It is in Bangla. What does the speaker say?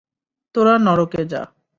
তোরা নরকে যা।